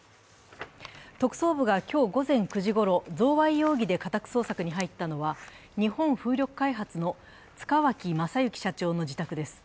特捜部が今日午前９時ごろ贈賄容疑で家宅捜索に入ったのは日本風力開発の塚脇正幸社長の自宅です。